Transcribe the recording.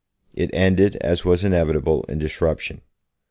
It ended, as was inevitable, in disruption.